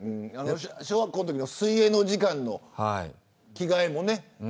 小学校の水泳の時間の着替えもね。